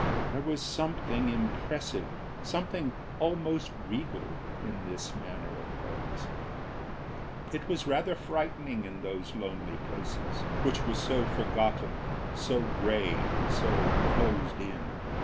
There was something impressive something almost regal in this manner of hers; it was rather frightening in those lonely places, which were so forgotten, so gray, so closed in.